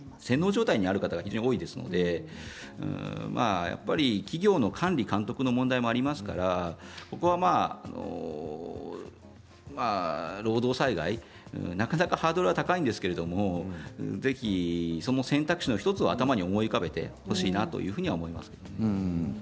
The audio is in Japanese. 洗脳状態にある方が非常に多いですのでやっぱり企業の管理、監督の問題もありますからここは労働災害、なかなかハードルは高いんですけれどもぜひその選択肢の１つは頭に思い浮かべてほしいなと思います。